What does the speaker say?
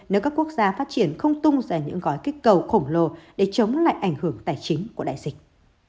nếu các quốc gia phát triển không tung ra những gói kích cầu khổng lồ để chống lại ảnh hưởng tài chính của đại dịch